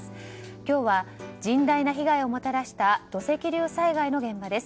今日は甚大な被害をもたらした土石流災害の現場です。